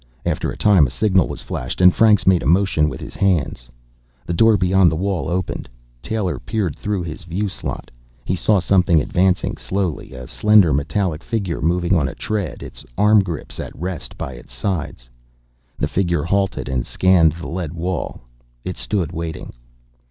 After a time, a signal was flashed, and Franks made a motion with his hands. The door beyond the wall opened. Taylor peered through his view slot. He saw something advancing slowly, a slender metallic figure moving on a tread, its arm grips at rest by its sides. The figure halted and scanned the lead wall. It stood, waiting.